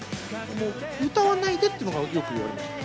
もう、歌わないっでっていうのは僕はよく言われました。